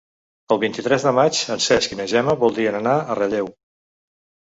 El vint-i-tres de maig en Cesc i na Gemma voldrien anar a Relleu.